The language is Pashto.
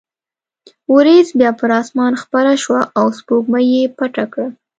وریځ بیا پر اسمان خپره شوه او سپوږمۍ یې پټه کړه.